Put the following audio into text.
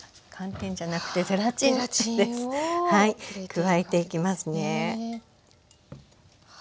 加えていきますね。